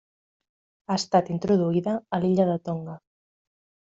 Ha estat introduïda a l'illa de Tonga.